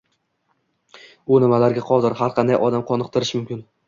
U nimalarga qodir? "Har qanday" odam qoniqtirishi mumkin